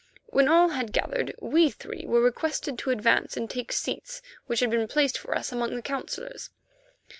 When all had gathered, we three were requested to advance and take seats which had been placed for us among the councillors.